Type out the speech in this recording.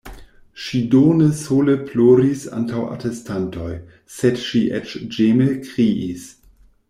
Ŝi do ne sole ploris antaŭ atestantoj, sed ŝi eĉ ĝeme kriis.